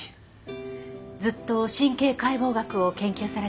ずっと神経解剖学を研究されていたとか。